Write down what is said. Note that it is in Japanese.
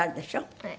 はい。